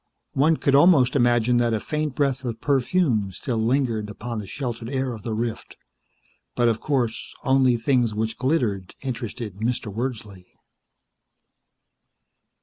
One could almost imagine that a faint breath of perfume still lingered upon the sheltered air of the rift, but, of course, only things which glittered interested Mr. Wordsley.